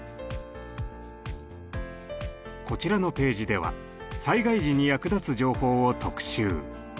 こちらのページでは災害時に役立つ情報を特集。